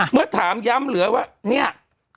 เมื่อถามย้ำเหลือว่าเนี่ย